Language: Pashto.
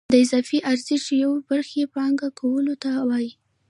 د اضافي ارزښت یوې برخې پانګه کولو ته وایي